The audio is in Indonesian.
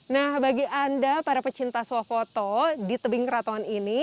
nah bagi anda para pecinta suah foto di tebing karaton ini